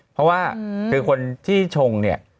เพราะว่าคือคนที่ชงเนี่ย